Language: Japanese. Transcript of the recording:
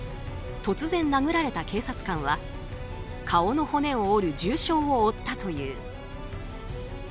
突然、殴られた警察官は顔の骨を折る重傷を負ったという。